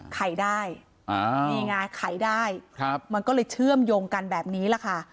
ขายได้นี่ไงไข่ได้มันก็เลยเชื่อมโยงกันแบบนี้แหละค่ะ